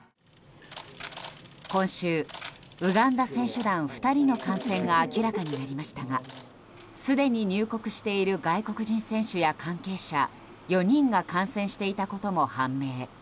今週、ウガンダ選手団２人の感染が明らかになりましたがすでに入国している外国人選手や関係者４人が感染していたことも判明。